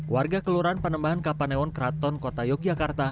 warga kelurahan penembahan kapaneon kraton kota yogyakarta